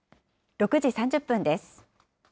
６時３０分です。